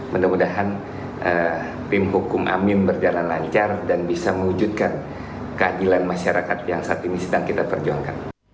mudah mudahan tim hukum amin berjalan lancar dan bisa mewujudkan keadilan masyarakat yang saat ini sedang kita perjuangkan